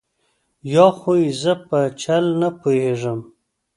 یا خو یې زه په چل نه پوهېږم.